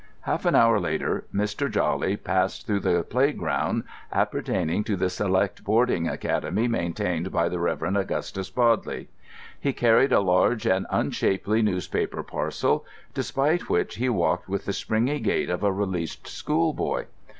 Half an hour later Mr. Jawley passed through the playground appertaining to the select boarding academy maintained by the Reverend Augustus Bodley. He carried a large and unshapely newspaper parcel, despite which he walked with the springy gait of a released schoolboy.